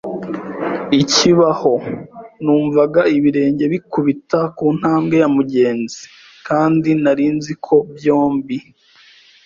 ikibaho; Numvaga ibirenge bikubita kuntambwe ya mugenzi kandi nari nzi ko byombi